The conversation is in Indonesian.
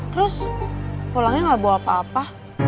terus pulangnya gak bawa apa apa